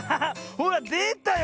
ほらでたよ